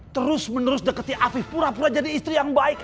terus menerus deketi afif pura pura jadi istri yang baik